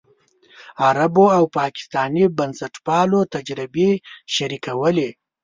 عربو او پاکستاني بنسټپالو تجربې شریکولې.